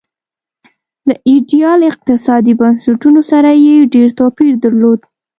له ایډیال اقتصادي بنسټونو سره یې ډېر توپیر درلود.